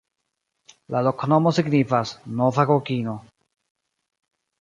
La loknomo signifas: nova-kokino.